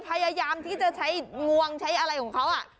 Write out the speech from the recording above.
พยายามที่จะใช้งวงใช้อะไรของเขา